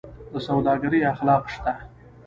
د سوداګرۍ اخلاق شته؟